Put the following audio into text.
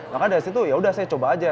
maka dari situ ya udah saya coba aja